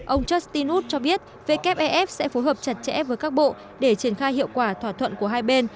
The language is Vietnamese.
ông justin hoot cho biết wff sẽ phối hợp chặt chẽ với các bộ để triển khai hiệu quả thỏa thuận của hai bên